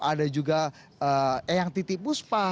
ada juga eyang titipus pak